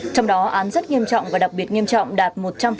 trong đó án rất nghiêm trọng và đặc biệt nghiêm trọng đạt một trăm linh